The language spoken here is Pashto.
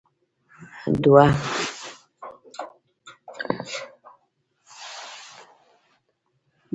دوه هفتې وروسته مې دفتر کې ولیدله.